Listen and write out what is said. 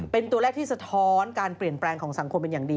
เป็นตัวเลขที่สะท้อนการเปลี่ยนแปลงของสังคมเป็นอย่างดี